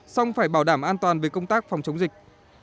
xong phải bảo đảm an toàn về công tác phòng chống dịch